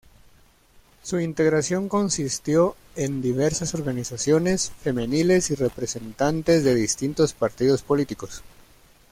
Su integración consistió en diversas organizaciones femeniles y representantes de distintos partidos políticos.